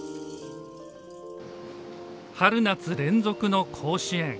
春夏連続の甲子園。